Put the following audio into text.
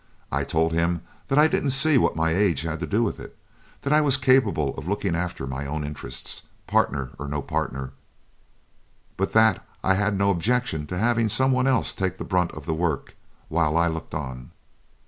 I told him that I didn't see what my age had to do with it, that I was capable of looking after my own interests, partner or no partner, but that I'd no objection to having some one else take the brunt of the work while I looked on."